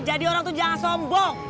jadi orang tuh jangan sombong